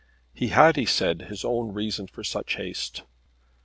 He had, he said, his own reason for such haste.